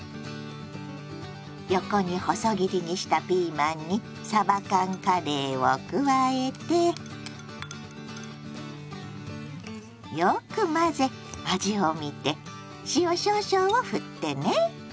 横に細切りにしたピーマンにさば缶カレーを加えてよく混ぜ味を見て塩少々をふってね。